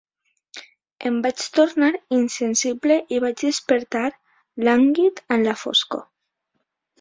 Em vaig tornar insensible i vaig despertar lànguid en la foscor.